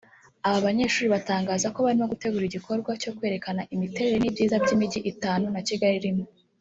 Aba banyeshuri batangaza ko barimo gutegura igikorwa cyo kwerekana imiterere n’ibyiza by’imijyi itanu na Kigali irimo